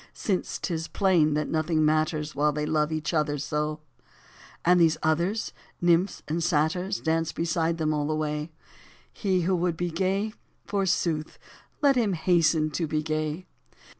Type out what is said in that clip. Since 'tis plain that nothing matters While they love each other so ; And these others, nymphs and satyrs, Dance beside them all the way : He who would be gay, forsooth, Let him hasten to be gay.